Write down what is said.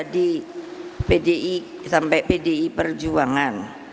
di pdi sampai pdi perjuangan